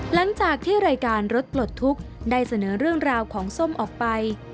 หลังจากที่รายการรถปลดทุกข์ได้เสนอเรื่องราวของส้มออกไป